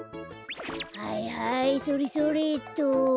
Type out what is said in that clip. はいはいそれそれっと。